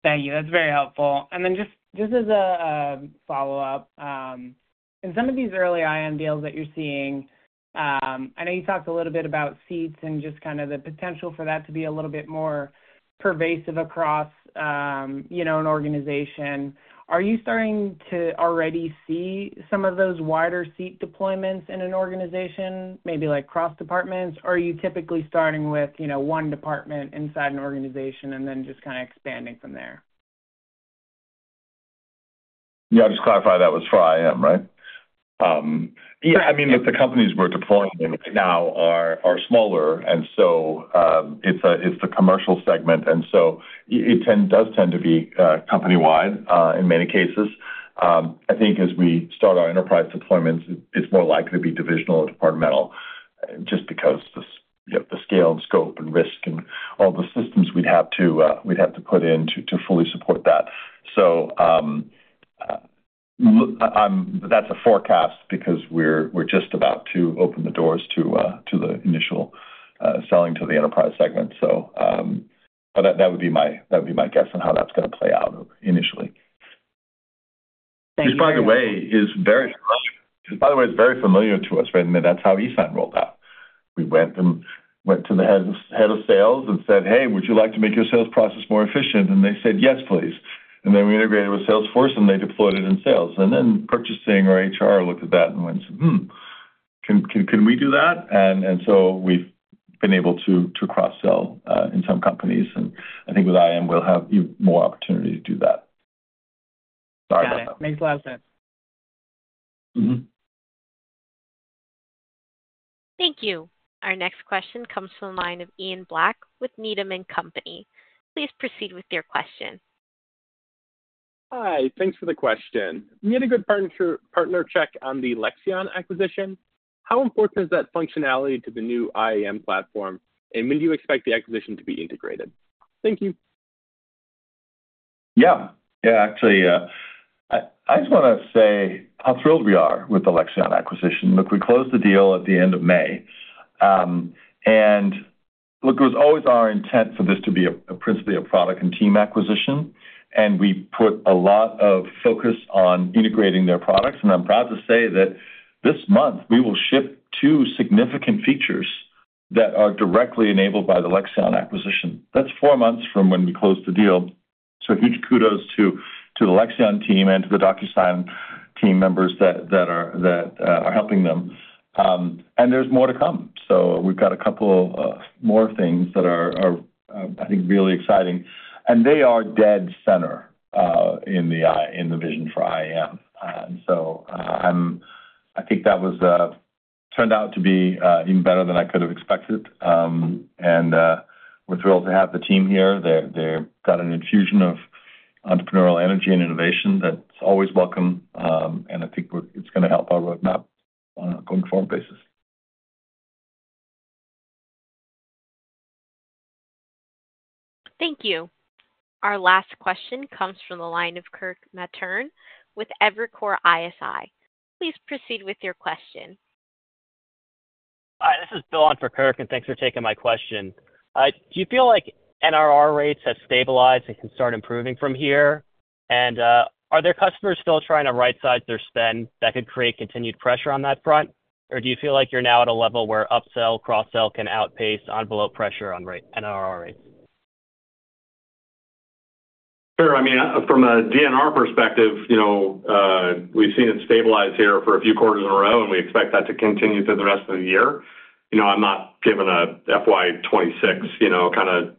Thank you. That's very helpful. And then just as a follow-up, in some of these early IAM deals that you're seeing, I know you talked a little bit about seats and just kind of the potential for that to be a little bit more pervasive across, you know, an organization. Are you starting to already see some of those wider seat deployments in an organization, maybe like cross-departments? Or are you typically starting with, you know, one department inside an organization and then just kinda expanding from there? Yeah, I'll just clarify, that was for IAM, right? Yeah, I mean, look, the companies we're deploying in right now are smaller, and so it's the commercial segment, and so it does tend to be company-wide in many cases. I think as we start our enterprise deployments, it's more likely to be divisional or departmental, just because the yep, the scale and scope and risk and all the systems we'd have to put in to fully support that. So that's a forecast because we're just about to open the doors to the initial selling to the enterprise segment. So but that would be my guess on how that's gonna play out initially. Which, by the way, is very familiar. Which, by the way, is very familiar to us, right? I mean, that's how eSign rolled out. We went to the head of sales and said, "Hey, would you like to make your sales process more efficient?" And they said, "Yes, please." And then we integrated with Salesforce, and they deployed it in sales. And then purchasing or HR looked at that and went, "Hmm, can we do that?" And so we've been able to cross-sell in some companies, and I think with IAM, we'll have even more opportunity to do that. Sorry about that. Got it. Thanks a lot, then. Mm-hmm. Thank you. Our next question comes from the line of Ian Black with Needham & Company. Please proceed with your question. Hi, thanks for the question. We had a good partner check on the Lexion acquisition. How important is that functionality to the new IAM platform, and when do you expect the acquisition to be integrated? Thank you. Yeah. Yeah, actually, I just wanna say how thrilled we are with the Lexion acquisition. Look, we closed the deal at the end of May. And look, it was always our intent for this to be principally a product and team acquisition, and we put a lot of focus on integrating their products. And I'm proud to say that this month, we will ship two significant features that are directly enabled by the Lexion acquisition. That's four months from when we closed the deal, so huge kudos to the Lexion team and to the DocuSign team members that are helping them. And there's more to come. So we've got a couple more things that are, I think, really exciting, and they are dead center in the vision for IAM. So, I think that turned out to be even better than I could have expected. We're thrilled to have the team here. They've got an infusion of entrepreneurial energy and innovation that's always welcome, and I think it's gonna help our roadmap on a going-forward basis. Thank you. Our last question comes from the line of Kirk Materne with Evercore ISI. Please proceed with your question. Hi, this is Bill on for Kirk, and thanks for taking my question. Do you feel like NRR rates have stabilized and can start improving from here? And, are there customers still trying to right-size their spend that could create continued pressure on that front? Or do you feel like you're now at a level where upsell, cross-sell can outpace envelope pressure on NRR rates? Sure. I mean, from a DNR perspective, you know, we've seen it stabilize here for a few quarters in a row, and we expect that to continue through the rest of the year. You know, I'm not giving a FY 2026, you know, kinda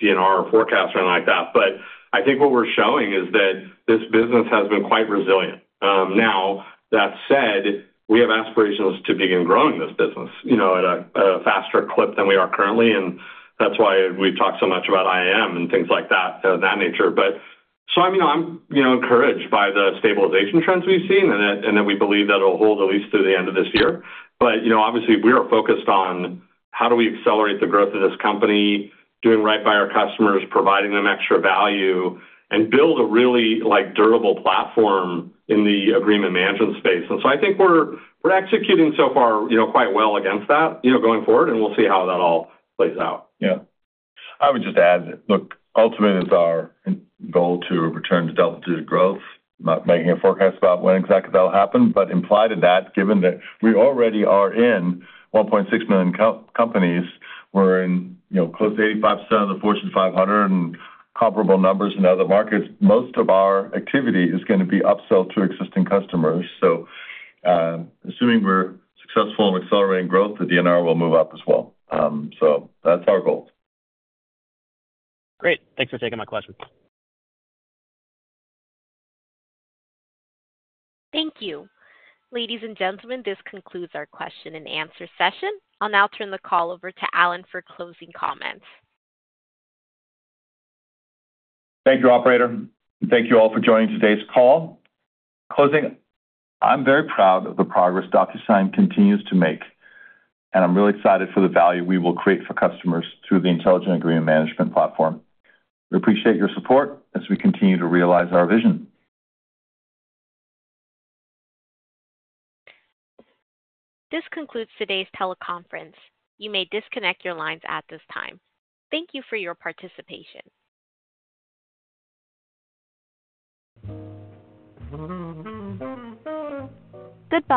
DNR forecast or anything like that, but I think what we're showing is that this business has been quite resilient. Now, that said, we have aspirations to begin growing this business, you know, at a faster clip than we are currently, and that's why we've talked so much about IAM and things like that, of that nature. But so, I mean, I'm, you know, encouraged by the stabilization trends we've seen, and that we believe that it'll hold at least through the end of this year. But, you know, obviously, we are focused on how do we accelerate the growth of this company, doing right by our customers, providing them extra value, and build a really, like, durable platform in the agreement management space. And so I think we're executing so far, you know, quite well against that, you know, going forward, and we'll see how that all plays out. Yeah. I would just add, look, ultimately, it's our goal to return to double-digit growth. I'm not making a forecast about when exactly that'll happen, but implied in that, given that we already are in 1.6 million count companies, we're in, you know, close to 85% of the Fortune 500 and comparable numbers in other markets, most of our activity is gonna be upsell to existing customers. So, assuming we're successful in accelerating growth, the DNR will move up as well. So that's our goal. Great. Thanks for taking my question. Thank you. Ladies and gentlemen, this concludes our question-and-answer session. I'll now turn the call over to Allan for closing comments. Thank you, operator. Thank you all for joining today's call. Closing, I'm very proud of the progress DocuSign continues to make, and I'm really excited for the value we will create for customers through the Intelligent Agreement Management platform. We appreciate your support as we continue to realize our vision. This concludes today's teleconference. You may disconnect your lines at this time. Thank you for your participation. Goodbye.